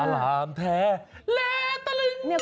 อารามแท้และตระลึง